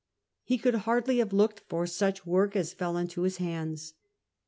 He could hardly have looked for such work as fell into his hands.